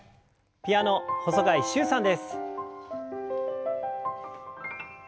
ピアノ細貝柊さんです。